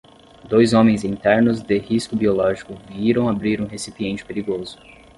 Dois homens em ternos de risco biológico viram abrir um recipiente perigoso.